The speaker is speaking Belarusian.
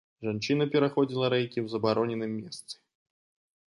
Жанчына пераходзіла рэйкі ў забароненым месцы.